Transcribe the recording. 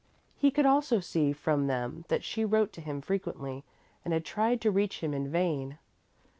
He could also see from them that she wrote to him frequently and had tried to reach him in vain.